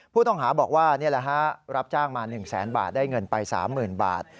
ผู้ต้องหาบอกว่ารับจ้างมา๑๐๐๐๐๐บาทได้เงินไป๓๐๐๐๐บาท